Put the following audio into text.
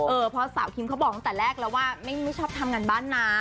เพราะสาวคิมเขาบอกตั้งแต่แรกแล้วว่าไม่ชอบทำงานบ้านนะ